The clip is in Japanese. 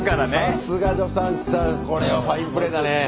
さすが助産師さんこれはファインプレーだね。